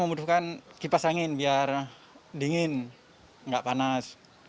membutuhkan kipas angin biar dingin nggak panas